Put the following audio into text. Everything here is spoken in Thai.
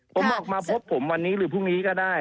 ผมออกมาพบผมวันนี้หรือพรุ่งนี้ก็ได้